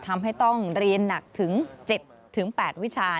ทำให้ต้องเรียนหนักถึง๗๘วิชา